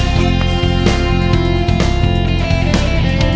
โทษใส่ค่ะ